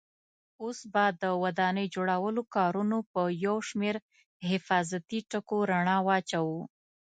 اوس به د ودانۍ جوړولو کارونو په یو شمېر حفاظتي ټکو رڼا واچوو.